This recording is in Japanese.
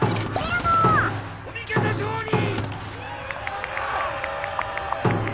・お味方勝利！